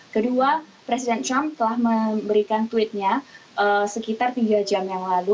kedua presiden trump telah memberikan tweetnya sekitar tiga jam yang lalu